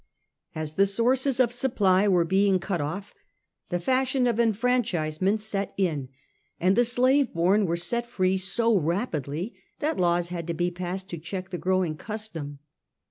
As the sources of supply were being cut off, the fashion of enfranchisement set in, and the slave born were set free so rapidly that laws had to be passed to check the growing custom.